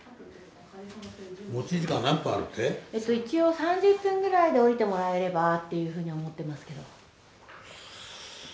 一応３０分ぐらいで降りてもらえればっていうふうに思ってますけど。